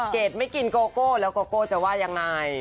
เกดไม่กินโกโก้แล้วโกโก้จะว่ายังไง